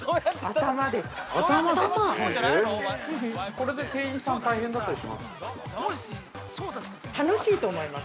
◆これで店員さん、大変だったりします？